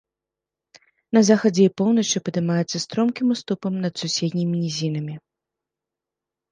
На захадзе і поўначы падымаецца стромкім уступам над суседнімі нізінамі.